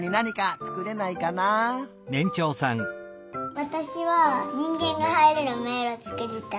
わたしはにんげんがはいれるめいろつくりたい。